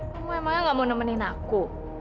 kamu emangnya tidak mau menemani aku